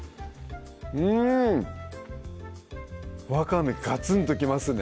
わかめガツンときますね